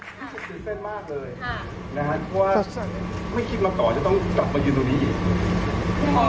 เต้นเต้นเต้นมากเลยค่ะนะฮะเพราะว่าไม่คิดมาต่อจะต้องกลับมายืนตรงนี้อีก